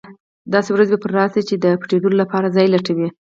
داسې ورځې به پرې راشي چې د پټېدلو لپاره ځای لټوي.